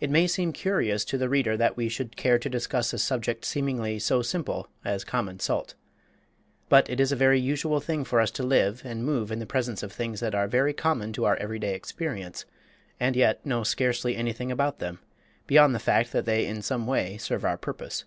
It may seem curious to the reader that we should care to discuss a subject seemingly so simple as common salt. But it is a very usual thing for us to live and move in the presence of things that are very common to our everyday experience, and yet know scarcely anything about them, beyond the fact that they in some way serve our purpose.